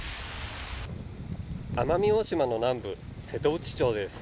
奄美大島の南部瀬戸内町です。